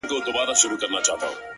د ميني اوبه وبهېږي،